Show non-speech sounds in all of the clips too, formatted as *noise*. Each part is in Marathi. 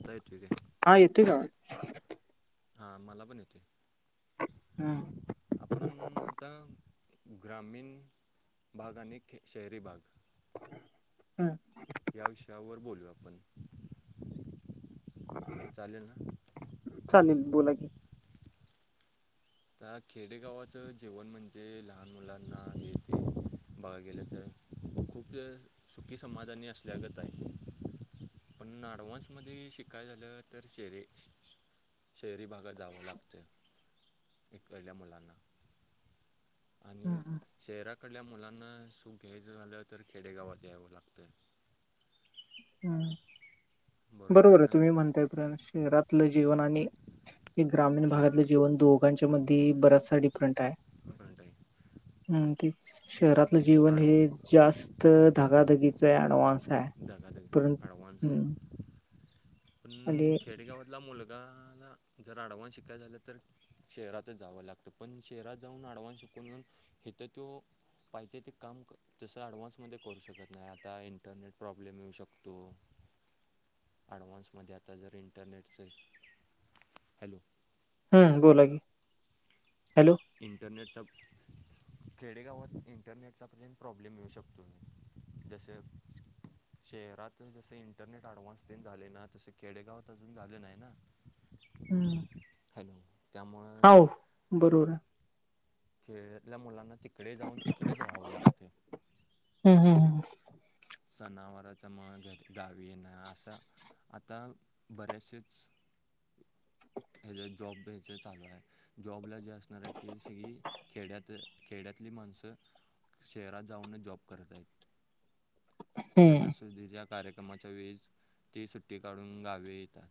आता येतोय काय? हा येतोय का आवाज. हा मला पण येतोय. *unintelligible* आपण आता ग्रामीण भाग आणी एक शहरी भाग, हम्म. या विषयावर बोलू आपण. चालेल ना? चालेल बोला की. त्या खेडेगावाचं जेवण म्हणजे लहान मुलांना हे तेे बघाय गेलं तर खूप सुखी समाधानी असल्या गंत आहे. पण अडवान्समध्ये शिकायचं झालं तर शैरी शहरी भागात जावं लागतंय तिकडल्या मुलांना, आणि शहराकडल्या मुलांना सुख घ्यायचं झालं तर खेडेगावात यावं लागतं. हम् बरोबर आहे तुम्ही म्हणतायत्र शरातलं जीवन आणि हे ग्रामीण भागातले खेडे जीवन दोघांच्या मध्ये बरस्सा डिफरंट आहे. ह्म तेच शहरातलं इथं जीवन आडवा हे जास्त धगाधगीच अडव्हान्स आहे. धगाधकी परंत ऍडव्हान्स आहे. हम्म पण आणि खेडेगावातला मुलगाला जर ऍडव्हान्स शिकाय झालं तर? शहरातच जावं लागतं पण शहरात जाऊन आडवांस शिकून येऊन इथं तो पाहिजे ते काम कर तसं ॲडव्हान्समध्ये करू शकत नाही आता इंटरनेट प्रॉब्लेम येऊ शकतो. ॲडव्हान्स मध्ये आता जर इंटरनेटचं हॅलो, हम्म बोला की हॅलो. इंटरनेटचा खेडेगावात इंटरनेटचा पर्यंत प्रॉब्लेम येऊ शकतोय. जसं शहरात जस इंटरनेट अडव्हान्स तेन झालंय ना तसं खेडेगावात अजून झालं नाही ना. हॅलो त्यामुळं हाव बरोबर आहे. खेड्यातल्या मुलांना तिकडे जाऊन तिकडेच राहावं लागतंय. हम्म हम्म हम सणावाराचं मग घ गावी येनार असं आता बरेचसेच हेज्यातं जॉब द्यायचं चालू आहं. जॉबला जे असणार आहेत ते सगळी खेड्यात खेड्यातली माणसं शहरात जाऊनच जॉब करत आहेत. हम्म सणासुदीच्या कार्यक्रमाच्या वेळेस ती सुट्टी काढून गावी येतात.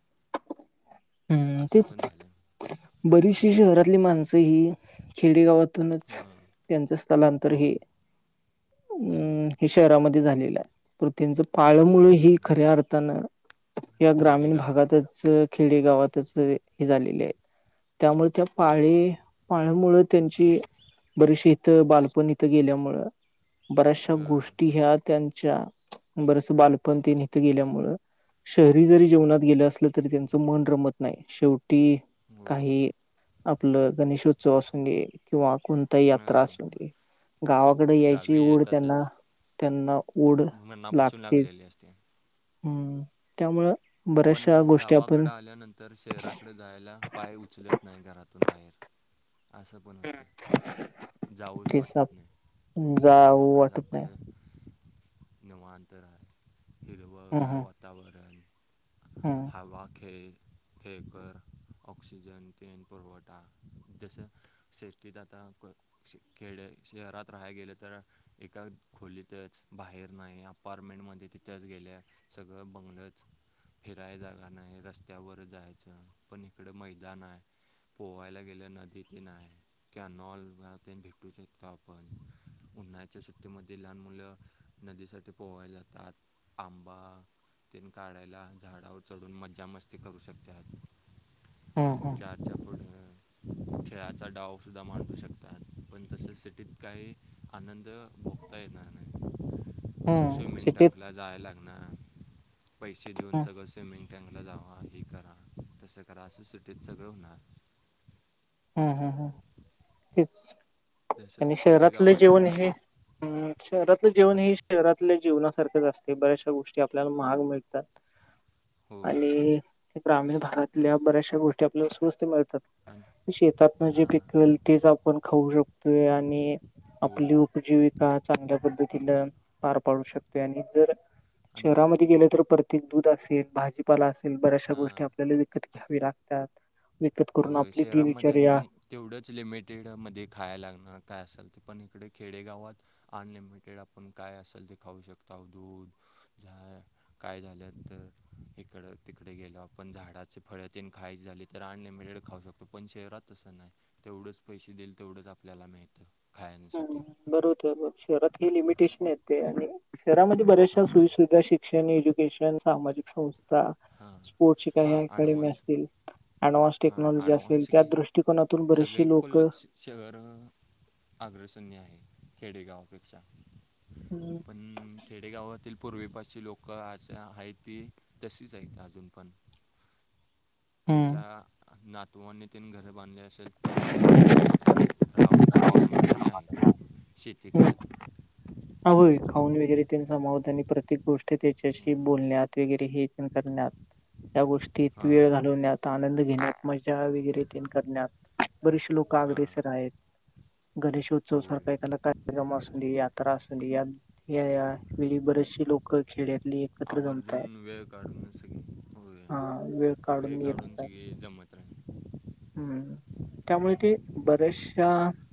हम्म असं तेच पण झालं बरीचशी शहरातली माणसं सगळी खेडेगावातूनच हां त्यांचं स्थलांतर हे. होय झालेलं हम् आहे हे शहरामध्ये झालेलं आहं. परत त्यांचं पाळमुळं ही आणि खऱ्या अर्थानं या ग्रामीण खेडेगाव भागातच ख खेडेगावातच हे झालेले आहेत त्यामुळे त्या होय पाळी पाळमुळं त्यांची बरेचसे इथं बालपण हितं गेल्यामुळं बऱ्याचशा होय गोष्टी ह्या त्यांच्या बरचस बालपणतेण इथं गेल्यामुळं शहरी जरी जिवनात गेलं असलं तरी त्यांचं मन रमत नाही शेवटी होय काही आपलं गणेशोत्सव असूंदे किंवा कोणतेही यात्रा हां असूदे गावाकडे यायची गावी ओढ त्यांना येतातच त्यांना ऊड मनापासून लागलेली लागतेच. असते हम्म.. त्यामुळे बऱ्याशा गोष् गावाकड आल्यानंतर शहराकडे जायला पाय उचलत नाही घरातून बाहेर असं पण होतेय. जावस तेच वाटत नाही, जाऊ गावाकड वाटत नाही आपलं निवांत राहणं.. हिरवं गार वातावरण ह्म्म.. *unintelligible* खेळकर ऑक्सिजन तेन पुरवठा, जसं सेफ्टीत आता शे.. खेड्या शहरात राहायला गेले तर.. एका खोलीतच बाहेर नाही. अपारमेंटमध्ये तिथंच गेल्या.. सगळं बंगलंच- फिराय जागा नाही रस्त्यावर जायचं, पण इकडं मैदान आहे. पोहायला गेल्या नदीते नाय. कनॉल ते भेटू शकतो आपण, उन्हाळच्या सुट्टीमध्ये लहान मुलं. नदी साठी पोवायला जातात, आंबा तेन काढायला. झाडावर चढून मज्जा.. मस्ती करू शकतात, हम्म हम्म चारच्या पुढ. खेळाचा डावसुद्धा मांडू शकतात, पण तसेच सिटीत काही आनंद भोगता येणार नाही, हम्म स्विमिंग सिटीत टकला जाय लागणार.. पैसे देऊन हम्म सगळं स्विमिंग टँंगला जावा हे करा तसं करा असं सिटीत सगळं होणार हम्म.. हम्म.. हम्म तेच जसं आणि शहरातले खेडेगावात जेवण सगळं हे हम्म.. शहरातलं जेवण हे शहरातल्या जीवनासारखंच असते बऱ्याचशा गोष्टी आपल्याला महाग मिळतात. *inaudible* होय आणि ग्रामीण भागातल्या बऱ्याचशा गोष्टी आपल्याला स्वस्त मिळतात. आणि शेतातन जे हां पिकले तेच आपण खाऊ शकतो आणि आपली होय उपजीवी चांगल्या पद्धतीन पार पाडू शकते आणि जर आणि शहरामध्ये गेलं तर परत दूध असेल, भाजीपाला असेल बऱ्याचशा गोष्टी हां आपल्याला विकत घ्यावी लागतात. विकत करून आपली ती बी त्याने तेवढंच लिमिटेडमध्ये खायला लागणारं काय असाल ते पण इकडे खेडेगावात अनलिमिटेड आपण काय असेल ते खाऊ शकता दूध, चहा काय झालं तर इकड.. तिकड गेल्यावर आपण झाडाची फळ तन खाईच झाली तर आण ळेल खाऊ शकतो पण शहरात तसं नाही तेवढंच पैसे देईल तेवढंच आपल्याला मिळत. खाण्यासाठी बरोबर आहे शहरात हे लिमिटेशन येते आणि शहरामध्ये बऱ्याचशा हां सोयी- सुविधा शिक. शिक्षण, एज्युकेशन, सामाजिक संस्था, हां स्पोर्ट्स शिका हां अकॅडमी ॲडव्हान्स असतील. ऍडव्हान्स हां टेक्नॉलॉजी असेल ॲडव्हान्सची त्या काही दृष्टकोनातून सगळे बरेचशी लोक कोल्हा श शहर अग्रसणय आहे खेडेगावापेक्षा हम्म. पण.. खेडेगावातील पूर्वपाशची लोक असे हाय ती तशीच आहेत ना अजून पण.. त्यांच्या नात तो अन तन घरं बांधली असेल त्यातच ते राहून सुुकी- समाधानी आहे, शेती करत. आ.. होय खाऊन वगैरे त्यां समावत आणि प्रत्येक गोष्ट तर.. त्याच्याशी बोलण्यात वगैरे हे करण्यात या गोष्टीत हां वेळ घालवण्यात आनंद घेण्यात मजा वगैरे ते करण्यात बरेच लोक हां अग्रेसर आहेत. गणेशोत्सव होय सारखा एखादा कार्यक्रम असं दे यात्रा असू देत यात ऐ आ वेळी बरेचशी लोकं खेड्यातली एकत्र जमताय, आवर्जून वेळ काढून सगळी होय हा वेळ वेळ येत काढून असतात सगळे जमत राहत्यात. हम्म, त्यामुळे ते बऱ्याचशा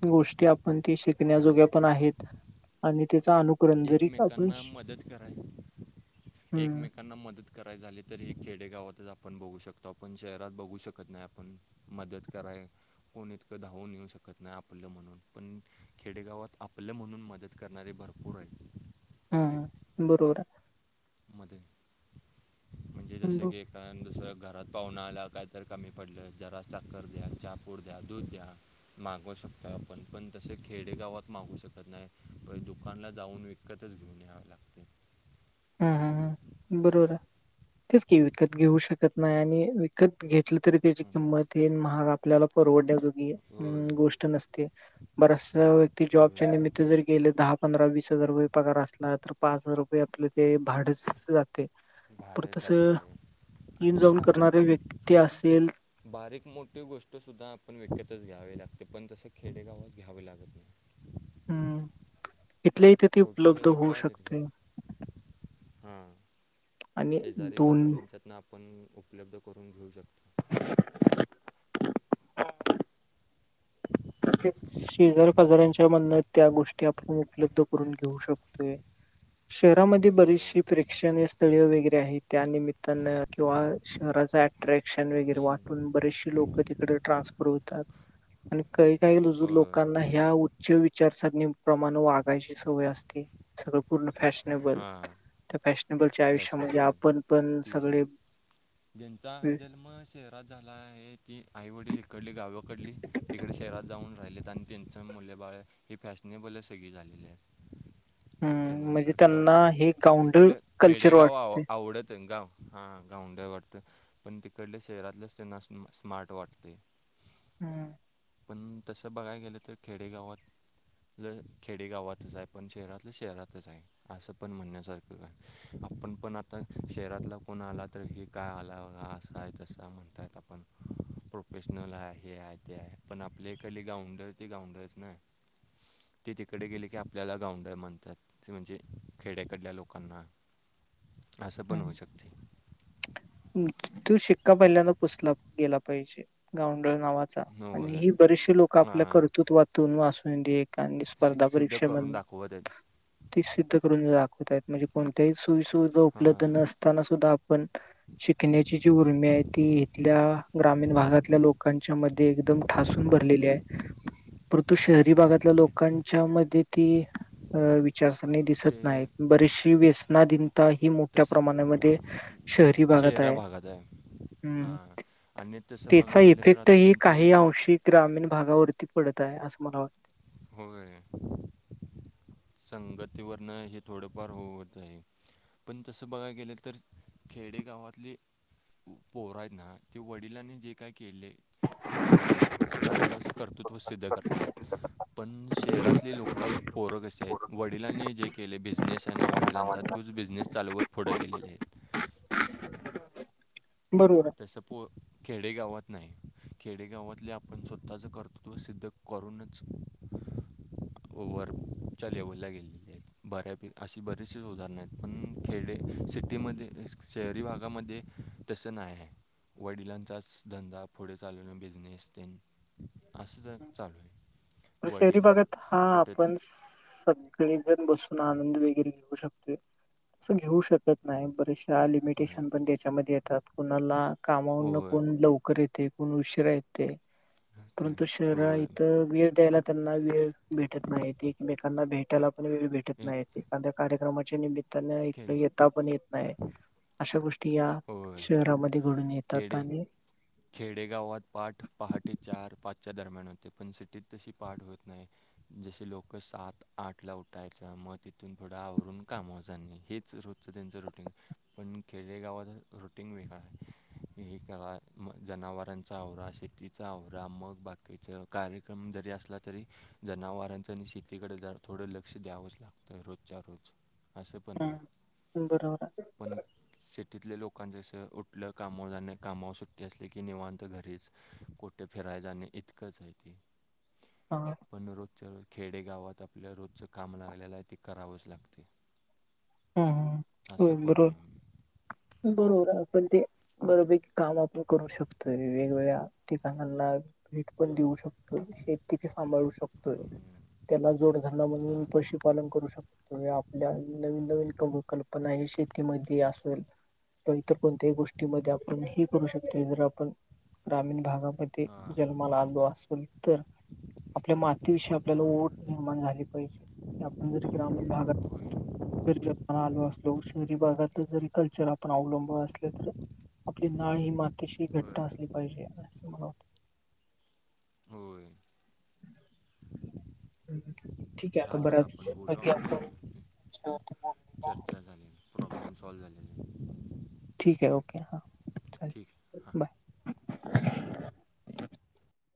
गोष्टी आपण ते शिकण्या आणि जोग्या पण आहेत. आणि त्यचा अनु एकमेकांना मदत कराय, हम्म एकमेकांना मदत कराय झाले तरी हि खेडेगावातच आपण बघू शकतो आपण, शहरात बघू शकत नाही आपण. मदत कराय. कोण इतकं धावून येऊ शकत नाही आपलं म्हणून, पण खेडेगावात आपलं म्हणून मदत करणारे भरपू पूर आहेत. हम्म बरोबर. मध्ये, म्हणजे आहे. जसं ब- की कारण दुसरं घरात पाहुना आला काहीतरी कमी पडलं, जरा साकर द्या, चहा पूड द्या, दूध द्या मागू शकतो आपण, पण तसं खेडेगावात मागू शकत नाही, बर दुकानला जाऊन विक विकतच घेऊन याला लागतय. हम्म हं हं हं, बरोबर आय, तेच कि विकत घेऊ शकत नाही, आणी विकत घेतलं तरी त्याची किंमत येन महाग आपल्याला परवडण्या जोगी ही होय गोष्ट नसते, बरसं व्यक्ती जॉबच्या होय निमित्त जर गेलं दहा पंधरा वीस हजार रुपये पगार असला, तर पाच हजार रुपय आपले ते भाडच जातय. भाडं परत तसं, जातं आहे ईऊन आणि जाऊन काय करणारे व्यक्ती छोटी असेल बारीक मोटी गोष्ट सुद्धा आपण विकतच घ्यावी लागते, पण तसं खेडेगावात घ्यावि लागत नाही. हम्म, इथल्या इथं ती छोटं उपलब्ध जरी हू काय जरी शकतय. हां, आणि शेजारी दोन पाजऱ्यांच्यातन आप आपण उपलब्ध करून घेऊ शक तेच शेजारी पाजाऱ्यांच्या म्हणण्यात त्या गोष्टी आपण उपलब्ध करून घेऊ शकतोय. शहरा मध्ये होय बरीचशी प्रेक्षणीय स्थळे वगैरे आहेत, त्यानिमित्तानं किंवा शहराचं अट्रॅक्शन वगैरे हम्म वाटून बरेचसे लोकं तिकडं ट्रान्सफर होतात. आणि काही काही रुजू होय लोकांना ह्या उच्च विचारसरणी प्रमाणं वागायची सवय असते. सगळं पूर्ण फॅशनेबल, हां त्या फॅशनेबलच्या आयुष्यामध्ये फॅशनेबल आपण पण ती सी सगळे ज्यांचा जन्म शहरात झाला आहे, ती आईवडील इकडली गावाकडली तिगडं शहरात जाऊन राहिलेत, आणि त्यांचं मुलं बाळं, ही फॅशनेबलच सगळी झालेली आहे. हम्म त्यांना म्हणजे सारखं, त्यांना हे गावंढळ इकडलं कल्चर खेडेगाव आव वाटते. आवडतन गाव, हां गावंढळ वाट पण तिकडलं शहरातलंच त्यांना स्मार्ट वाटतय. हम्म. पण तसं बघाय गेलं तर खेडेगावात लं खेडे गावातच हाय, पण शहरातलं शहरातच हाय. असं पण म्हणण्यासारखं आहे, आपण पण आता शहरातला कोण आला तर हे काय आला ह असा आहे तसं आहे म्हणतायत आपण. प्रोफेशनल आहे हे आहे ते आहे, पण आपल्या इकडली गाउंढळ ते गाउंढळच ना. ते तिकडे गेले की आपल्याला गाउंढळ म्हणतात. ते म्हणजे, खेड्याकडल्या लोकांना, असं पण होऊ शकतय. हं, तो शिक्का पहिल्यांदा पुसला गेला पाहिजे, गाऊंढळ नावा चां, आणि होय ही बरेचसे लोकं आपल्या हां कर्तृत्वातून असूनदे कारण सि स्पर्धा सिद्ध परीक्षा करून म्हण दाखवत आहेत ती सिद्ध करून दाखवतायत म्हणजे कोणत्याही सु सुविधा उपलब्ध, हां नसताना सुद्धा आपण शिकण्याची जी उर्मी आहे. ती इथल्या ग्रामीण भागातल्या लोकांच्या मध्ये एकदम ठासून भरलीलेली आहे. परंतु शहरी ठासून भागातल्या भरलेलं आहे लोकांच्या मध्ये ती अवि च्यास नी दिसत शे नाहीत बरीचशि व्यसना धिंनता हीन. मोठ्या तसं प्रमाणामध्ये शहरी भागात शहरा आहे. भागात आहे हम्म हां आणि तसं बघा त्याचा गेलं तर इफेक्ट आता हे त्यांचे काही अंशिक ग्रामीण भागावरती पडत आहे, असं मला वाटतं. होय. संगतीवरण हे थोडे फार होत आहे. पण तसं बघाय गेलं तर खेडे गावातलि पोरं हायत ना, ते वडिलांनी जे काय केलेय. ते करत नाहीत. स्वतःचं कर्तृत्व सिद्ध करतात. पण शहरातली लोकं पोर कसे आहेत, वडिलांनी जे केले बिझनेस आहे ना वडिलांचा तोच बिझनेस चालवत होत पुढं गेलेले आहेत. हं *inaudible* तसं पो खेडेगावात नाही. खेडेगावातले आपण स्वतःच कर्तृत्व सिद्ध करूनच. वरच्या लेवला गेलेले आहेत. बऱ्यापै अशी बरीचशी उदाहरणंयेत पण खेडे सिटीमध्ये शहरी भागामध्ये. तस नाय हाय. वडिलांचाच धंदा पुढे चाललेला बिझनेस ते. अच्छा! शहरी भागात हा कुठे तर आपण सग. सगळी बसून आनंद वगैरे घेऊ शकते, तसं घेऊ शकतो. नाही बरेचशा लिमिटेशन नाहीत पण त्याच्यामध्ये येतात, कोणाला कामाउन होय कोण लवकर येते. कोण उशिरा येते. ते तो शहरा होय इथं वेळ द्यायला त्यांना वेळ भेटत नाही. एकमेकांना भेटायला पण वेळ भेट भेटत एक नाही. एखाद्या कार्यक्रमाच्या निमित्ताने खेडे इकडे येता पण येत नाही. अशा गोष्टी या शहरामध्ये घडून येतात. केेड. आणि खेडेगावात पाहाट पहाटे चार पाचच्या दरम्यान होते पण सिटीत तशी पाहाट होत नाही. जसे लोक सात आठ ला उठायच मग तिथून पुढं आवरून कामाव जाने. अस त्यांचं रुटीन, पण खेडेगावात रुटीन वेगळाय हे कळा मग जनावरांचा आवरा शेतीचा आवरा मग बाकीच कार्यक्रम जरी असला तरी. जनावरांचं आणि शेतीकडे जरा थोडं लक्ष द्यावंच लागतंय रोजच्या रोज. असं पण ये. बरोबर पण सिटीतल्या लोकां कसं उठलं कामावर जाणे कामावर सुट. सुट्टी असली की निवांत घरीच, कोठे फिराय जाणे इतकंच हाय ते. हा पण रोजच्या रोज खेडे गावात आपल्या रोजचं काम लागलेलंय ते करावंच लागते. हम्म हम्म हो असं पण आहे बरोबर. बरोबर आपण ते बरोपैकी काम आपण करू शकतोय वेगवेगळ्या. त्यांना भेट पण देऊ शकतोय, शेती बी सांभाळू शकतोय. त्यांना जोडधंदा म्हणून चालेल पशुपालन करू शकतो आपल्या नवीन *unintelligible* कल्पना ये शेतीमध्ये असल. इतर कोणत्याही गोष्टीमध्ये आपण हे करू शकतो जर आपण, ग्रामीण भागामध्ये ते हां जन्माला आलो असल तर, आपल्या मातीविषयी आपल्याला ओढ हां निर्माण झाली पाहिजे, की आपण जरी ग्रामीण भागात होय जरी जन्माला आलो असलो, शहरी भागात जरी कल्चर आपण अवलंबून असले तर आपली नाळ ही मातीशी घट्ट होय असली पाहिजे, असं मला वाटतं. होय. ठीक ये आता चालेल बऱ्याच आपण बोलू चर्चा झाल्या, प्रॉब्लेम सॉल्व्ह झालेले. ठीकाय ओके हां. ठीक ये. बाय.